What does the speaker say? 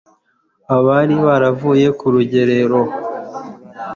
abari baravuye ku rugerero